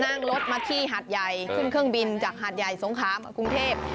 นั่งรถมาที่หาดใหญ่ขึ้นเครื่องบินจากหาดใหญ่สงครามกรุงเทพ